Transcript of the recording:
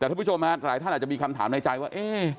แต่ท่านผู้ชมหลายท่านอาจจะมีคำถามในใจว่า